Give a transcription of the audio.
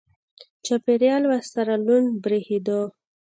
چاپېریال ورسره لوند برېښېده.